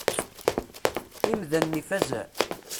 Imdanen ifazen?